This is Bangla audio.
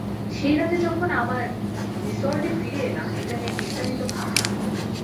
সেই রাতে যখন আমরা রিসর্টে ফিরে এলাম, এটা নিয়ে বিস্তারিত ভাবলাম।